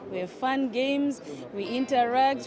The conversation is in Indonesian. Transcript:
kita bermain permainan kita berinteraksi